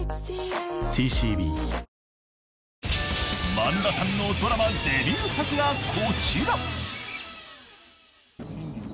［萬田さんのドラマデビュー作がこちら］